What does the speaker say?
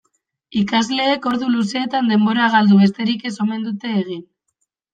Ikasleek ordu luzeetan denbora galdu besterik ez omen dute egin.